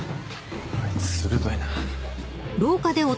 あいつ鋭いな。